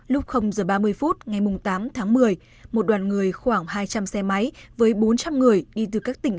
lúc h ba mươi phút ngày tám tháng một mươi một đoàn người khoảng hai trăm linh xe máy với bốn trăm linh người đi từ các tỉnh